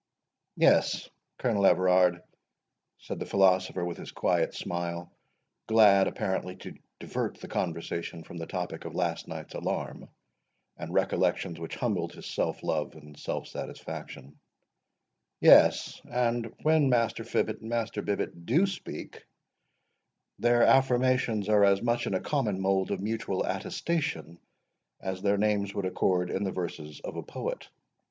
"Yes, Colonel Everard," said the philosopher, with his quiet smile, glad, apparently, to divert the conversation from the topic of last night's alarm, and recollections which humbled his self love and self satisfaction,—"yes; and when Master Fibbet and Master Bibbet do speak, their affirmations are as much in a common mould of mutual attestation, as their names would accord in the verses of a poet.